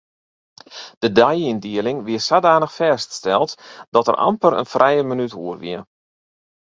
De deiyndieling wie sadanich fêststeld dat der amper in frije minút oer wie.